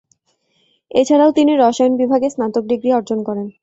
এছাড়াও তিনি রসায়ন বিভাগেও স্নাতক ডিগ্রি অর্জন করেন।